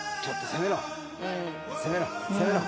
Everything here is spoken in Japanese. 攻めろ攻めろ！